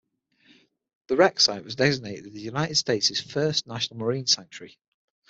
The wreck site was designated as the United States' first national marine sanctuary.